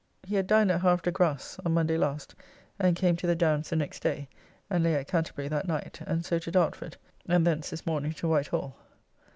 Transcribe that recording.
He had dined at Havre de Grace on Monday last, and came to the Downs the next day, and lay at Canterbury that night; and so to Dartford, and thence this morning to White Hall.